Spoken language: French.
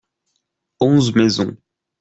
Onze maisons.